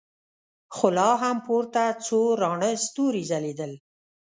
خو لا هم پورته څو راڼه ستورې ځلېدل.